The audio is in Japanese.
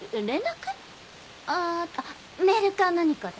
あーメールか何かで？